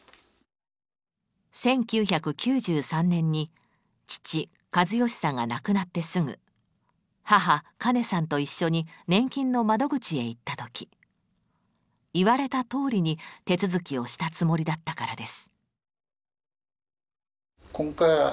１９９３年に父・計義さんが亡くなってすぐ母・カネさんと一緒に年金の窓口へ行った時言われたとおりに手続きをしたつもりだったからです。